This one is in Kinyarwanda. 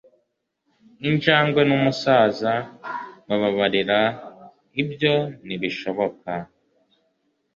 injangwe, n'umusaza, bababarira? ibyo ntibishoboka